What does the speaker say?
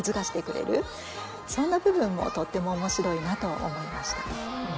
そんな部分もとっても面白いなと思いました。